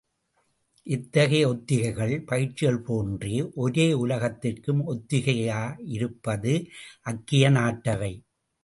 இத்தகைய ஒத்திகைகள் பயிற்சிகள் போன்றே ஒரே யுலகத்திற்கும் ஒத்திகையாக இருப்பது ஐக்கிய நாட்டவை!